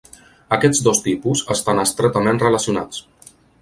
Aquests dos tipus estan estretament relacionats.